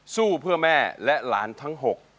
สู้เพื่อแม่และหลานทั้ง๖